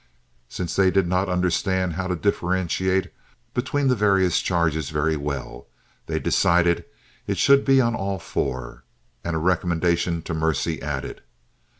Since they did not understand how to differentiate between the various charges very well, they decided it should be on all four, and a recommendation to mercy added.